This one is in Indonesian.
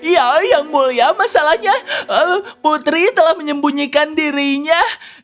ya yang mulia masalahnya putri telah menyembunyikan dirinya